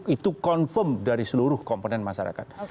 itu confirm dari seluruh komponen masyarakat